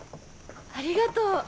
ありがとう。